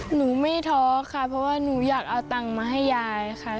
หนูไม่ท้อค่ะเพราะว่าหนูอยากเอาตังค์มาให้ยายค่ะ